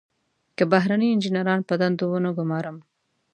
که بهرني انجنیران په دندو ونه ګمارم.